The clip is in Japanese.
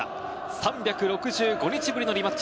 ３６５日ぶりのリマッチ。